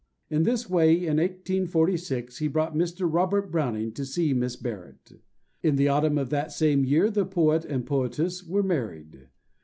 In this way, in 1846, he brought Mr. Robert Browning to see Miss Barrett. In the autumn of that same year the poet and poetess were married.